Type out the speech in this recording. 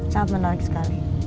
sangat menarik sekali